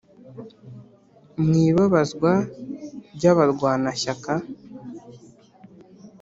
Mu ibabazwa ry'abarwanashyaka